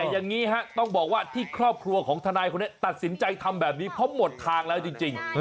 อย่างนี้ฮะต้องบอกว่าที่ครอบครัวของทนายคนนี้ตัดสินใจทำแบบนี้เพราะหมดทางแล้วจริง